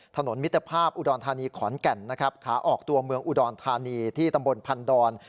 มิตรภาพอุดรธานีขอนแก่นนะครับขาออกตัวเมืองอุดรธานีที่ตำบลพันดอน